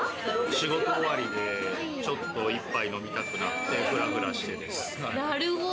仕事終わりで、ちょっと一杯飲みたくなってフラフラしてです。